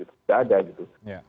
tidak ada gitu